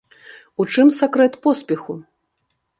У чым сакрэт поспеху?